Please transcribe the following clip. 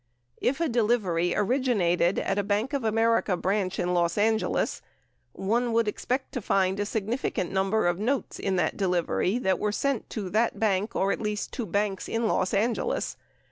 If a delivery originated at a. Bank of America branch in Los Angeles, one would expect to find a significant number of notes in the delivery that were sent to that bank or at least to banks in Los Angeles.